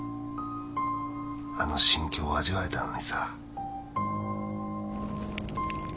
あの心境を味わえたのにさ